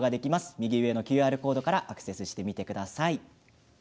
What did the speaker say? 右上のＱＲコードからアクセスしてみてください。